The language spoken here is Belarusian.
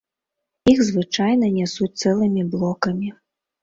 Іх звычайна нясуць цэлымі блокамі.